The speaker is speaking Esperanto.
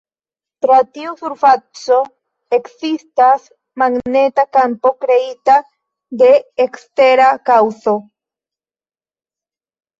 Tra tiu surfaco ekzistas magneta kampo kreita de ekstera kaŭzo.